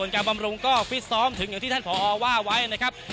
การบำรุงก็ฟิตซ้อมถึงอย่างที่ท่านผอว่าไว้นะครับ